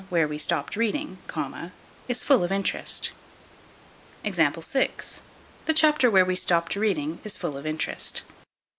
where we stopped reading, is full of interest. The chapter where we stopped reading is full of interest.